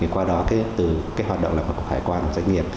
qua đó từ hoạt động cục hải quan của doanh nghiệp